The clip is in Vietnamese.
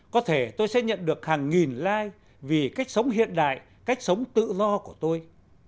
có thể tôi sẽ nhận được hàng nghìn like vì cách sống hiện đại cách sống tự do của tôi